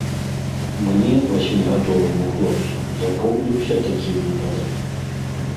Мне, васьмігадоваму хлопцу, запомніўся такі выпадак.